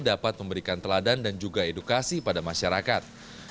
dapat memberikan teladan dan juga edukasi pada masyarakat